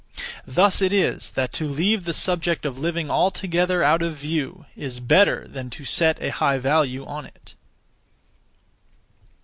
Thus it is that to leave the subject of living altogether out of view is better than to set a high value on it.